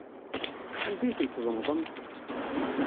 Anda ay tent-tzemḍem?